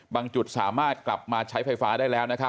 บางจุดสามารถกลับมาใช้ไฟฟ้าได้แล้ว